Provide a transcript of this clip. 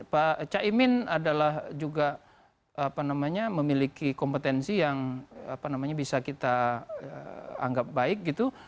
pak caimin adalah juga memiliki kompetensi yang bisa kita anggap baik gitu